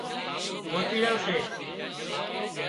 موتيڙان سي